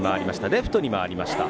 レフトに回りました。